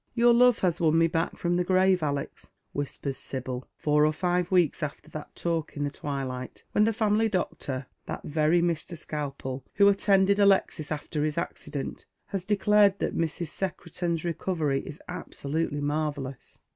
"Your love has won me back from the grave, Alex," whispers Sibyl, four or five weeks after that talk in the twilight, when the family doctor — that very Mr. Skalpel who attended Alexis after his accident — has declared that Mrs. Secretan's recovery is absolutely marvellous.